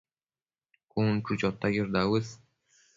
cun chu chota quiosh dauës